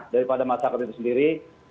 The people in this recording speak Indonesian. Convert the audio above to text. daripada masyarakat itu sendiri